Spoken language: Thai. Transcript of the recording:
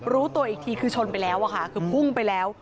รู้ตัวอีกทีคือชนไปแล้วอะค่ะคือพุ่งไปแล้ว